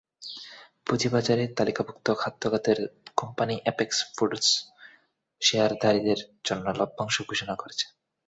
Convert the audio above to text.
পুঁজিবাজারে তালিকাভুক্ত খাদ্য খাতের কোম্পানি অ্যাপেক্স ফুডস শেয়ারধারীদের জন্য লভ্যাংশ ঘোষণা করেছে।